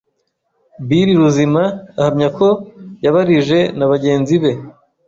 Bill Ruzima ahamya ko yabarije na bagenzi be